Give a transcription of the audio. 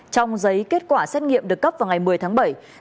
trong giấy kết quả xét nghiệm được cấp vào ngày một mươi tháng bảy